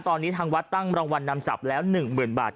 ตอนนี้ทางวัดตั้งรางวัลนำจับแล้วหนึ่งหมื่นบาท